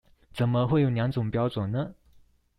怎麼會有兩種標準呢？